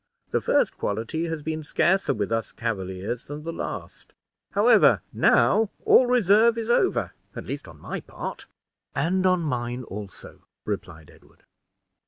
The first quality has been scarcer with us Cavaliers than the last; however, now, all reserve is over, at least on my part." "And on mine also," replied Edward.